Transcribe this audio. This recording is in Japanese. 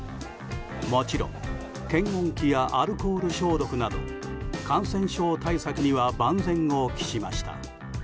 もちろん、検温器やアルコール消毒など感染症対策には万全を期しました。